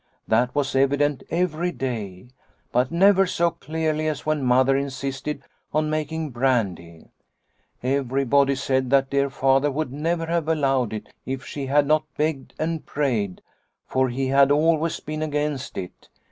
That was evident every day, but never so clearly as when Mother insisted on making brandy. Everybody said that dear Father would never have allowed it if she had not begged and prayed, for he had always been against it.